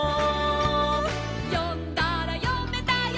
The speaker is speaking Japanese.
「よんだらよめたよ」